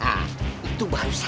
nah itu baru satu